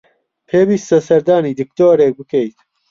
پێویستە سەردانی دکتۆرێک بکەیت.